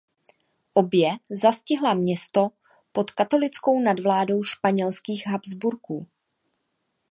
Obě zastihla město pod katolickou nadvládou španělských Habsburků.